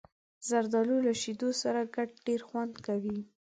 زردالو له شیدو سره ګډ ډېر خوند کوي.